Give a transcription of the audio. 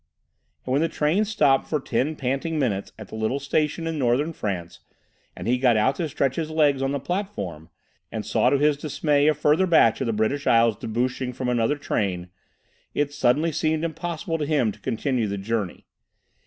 And when the train stopped for ten panting minutes at the little station in northern France, and he got out to stretch his legs on the platform, and saw to his dismay a further batch of the British Isles debouching from another train, it suddenly seemed impossible to him to continue the journey.